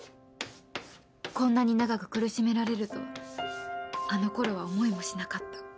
こんなに長く苦しめられるとはあのころは思いもしなかった